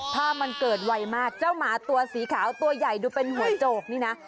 ภาพมันเกิดไวมากเจ้าหมาตัวสีขาวตัวใหญ่ดูเป็นหัวโจกนี่นะ